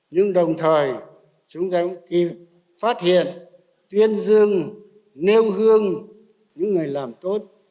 nhưng đồng thời chúng ta cũng kịp phát hiện tuyên dương nêu gương những người làm tốt